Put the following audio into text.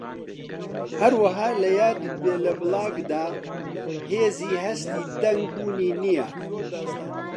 هەروەها لەیادت بێت لە بڵاگدا هێزی هەستی دەنگ بوونی نییە